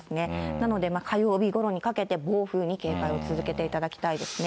なので、火曜日ごろにかけて暴風に警戒を続けていただきたいですね。